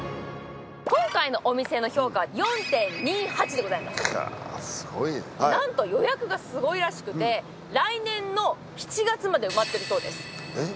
今回のお店の評価は４．２８でございますかすごいねなんと来年の７月まで埋まってるそうですえっ？